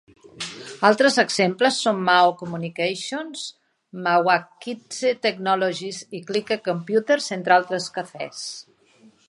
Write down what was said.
Altres exemples són Mao Communications, Mwakitse Technologies i Clique Computers, entre altres cafès.